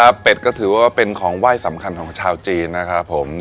เป็ดก็ถือว่าเป็นของไหว้สำคัญของชาวจีนนะครับผม